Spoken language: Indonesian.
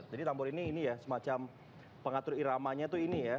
jadi tambur ini ya semacam pengatur iramanya tuh ini ya